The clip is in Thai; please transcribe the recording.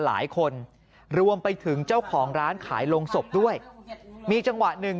หลายคนรวมไปถึงเจ้าของร้านขายโรงศพด้วยมีจังหวะหนึ่ง